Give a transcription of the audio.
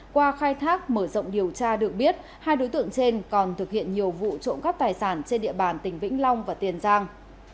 qua khai thác mở rộng điều tra được biết hai đối tượng trên còn thực hiện nhiều vụ trộm cắp tài sản trên địa bàn tỉnh vĩnh long và tiền giang